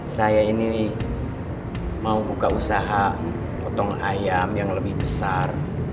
saya ini mau buka usaha potong ayam yang lebih besar